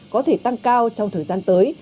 có thể tăng cao trong thời gian tới